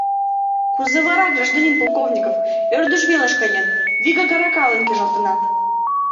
Кузе вара, гражданин Полковников, ӧрдыж велыш каен, вигак аракалан кержалтынат?